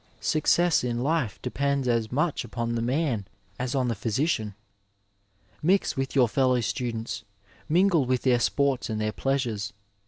Success in life depends as much upon the man as on the physician. Mix with your fellow students, mingle with their sports and their pleasures.